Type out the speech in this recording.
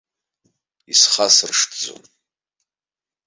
Исхасыршҭӡам!